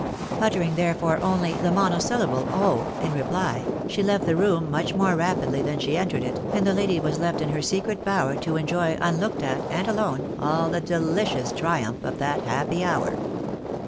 Uttering therefore only the monosyllable " Oh !" in reply, she left the room much more rapidly than she entered it, and the lady was left in her secret bower to enjoy unlooked at, and alone, all the delicious triumph of that happy hour.